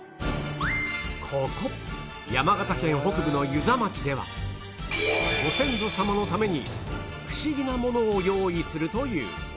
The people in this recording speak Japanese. ここ山形県北部の遊佐町ではご先祖様のためにフシギなものを用意するという